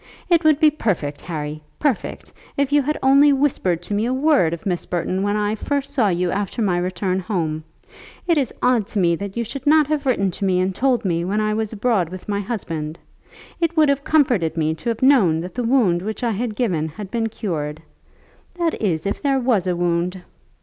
It would be perfect, Harry, perfect, if you had only whispered to me a word of Miss Burton when I first saw you after my return home. It is odd to me that you should not have written to me and told me when I was abroad with my husband. It would have comforted me to have known that the wound which I had given had been cured; that is, if there was a wound."